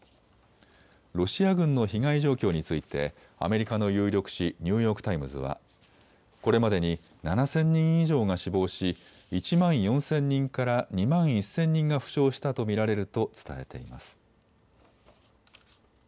ロシア軍の被害状況についてアメリカの有力紙、ニューヨーク・タイムズはこれまでに７０００人以上が死亡し１万４０００人から２万１０００人が負傷したと見られると伝えています。